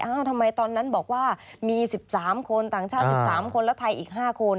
อ่าทำไมตอนนั้นบอกว่ามีสิบสามคนต่างชาติสิบสามคนแล้วไทยอีกห้าคน